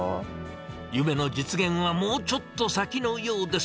夢の実現はもうちょっと先のようです。